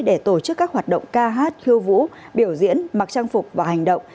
để tổ chức các hoạt động ca hát khiêu vũ biểu diễn mặc trang phục và hành động